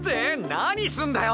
何すんだよ！